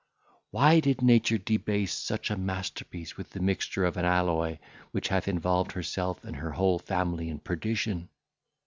Why did nature debase such a masterpiece with the mixture of an alloy, which hath involved herself and her whole family in perdition?